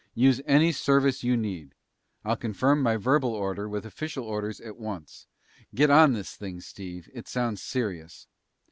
Use any service you need. I'll confirm my verbal order with official orders at once. Get on this thing, Steve. It sounds serious."